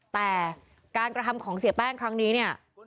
แต่การกระทำของเสียแป้งครั้งนี้เนี่ย